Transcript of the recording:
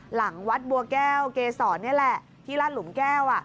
หลังวัดบัวแก้วเกษรนี่แหละที่ลาดหลุมแก้ว